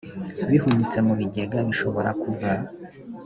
bihunitse mu bigega bishobora kuva